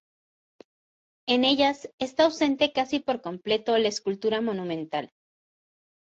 En ellas está ausente casi por completo la escultura monumental.